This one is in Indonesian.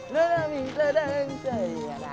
nona minta dan aisyah